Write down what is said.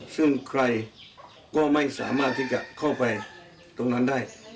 ซึ่งใครก็ไม่สามารถที่จะเข้าไปตรงนั้นได้